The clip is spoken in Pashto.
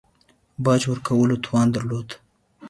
باج ورکولو توان درلود.